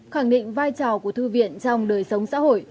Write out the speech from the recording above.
khẳng định vai trò của thư viện trong đời sống xã hội